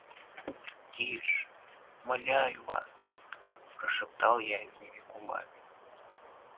— Тише, умоляю вас, — прошептал я одними губами.